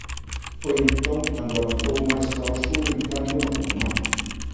Foi entón cando avanzou máis cara o sur entrando no Tucumán.